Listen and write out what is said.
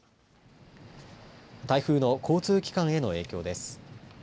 台風の交通機関への影響です。